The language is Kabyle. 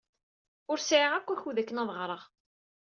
Ur sɛiɣ akk akud akken ad ɣreɣ.